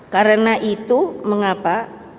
karena itu mengapa